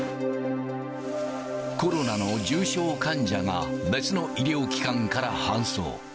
コロナの重症患者が別の医療機関から搬送。